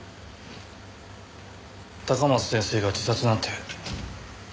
高松先生が自殺なんて残念です。